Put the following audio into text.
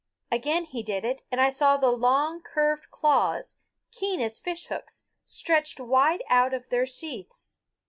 Again he did it, and I saw the long curved claws, keen as fish hooks, stretched wide out of their sheaths.